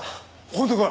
本当か？